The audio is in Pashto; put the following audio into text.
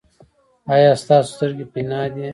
ایا ستاسو سترګې بینا دي؟